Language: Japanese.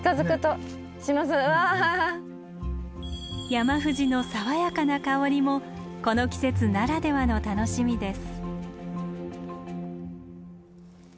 ヤマフジの爽やかな香りもこの季節ならではの楽しみです。